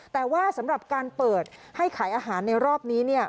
แต่ว่าสำหรับการเปิดให้ขายอาหารในรอบนี้เนี่ย